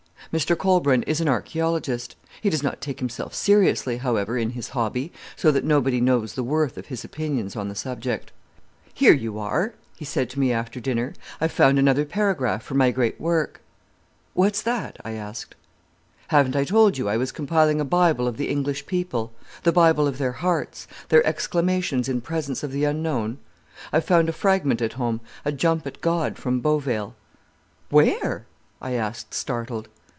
Mr Colbran is an archæologist. He does not take himself seriously, however, in his hobby, so that nobody knows the worth of his opinions on the subject. "Here you are," he said to me after dinner, "I've found another paragraph for my great work." "What's that?" I asked. "Haven't I told you I was compiling a Bible of the English people—the Bible of their hearts—their exclamations in presence of the unknown? I've found a fragment at home, a jump at God from Beauvale." "Where?" I asked, startled.